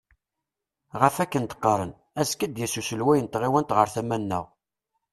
Ɣef wakk-n d-qqaren, azekka ad d-yas uselway n tɣiwant ɣer tama-nneɣ.